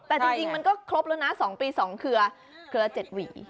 แต่จริงจริงมันก็ครบแล้วนะสองปีสองเครือเครือละเจ็ดหวี